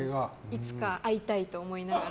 いつか会いたいと思いながら。